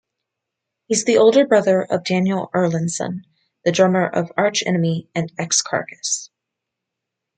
He's the older brother of Daniel Erlandsson, the drummer of Arch Enemy, and ex-Carcass.